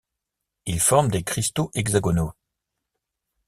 Il forme des cristaux hexagonaux.